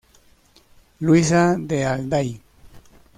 Luisa de Alday".